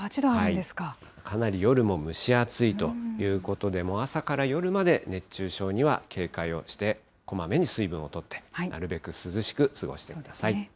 かなり夜も蒸し暑いということで、朝から夜まで熱中症には警戒をして、こまめに水分をとって、なるべく涼しく過ごしてください。